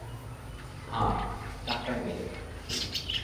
হাঁ, টাকায় মেলে না।